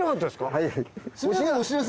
はい。